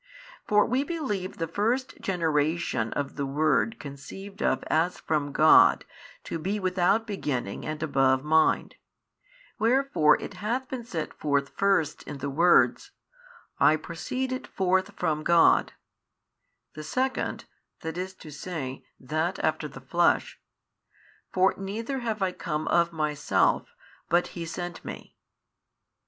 For we believe the first Generation of the Word conceived of as from God to be without beginning and above mind; wherefore it hath been set forth first in the words, I proceeded forth from God; the second, i. e., that after the Flesh, for neither have I come of Myself but He sent Me.